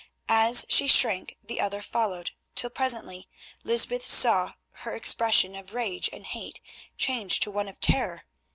As she shrank the other followed, till presently Lysbeth saw her expression of rage and hate change to one of terror.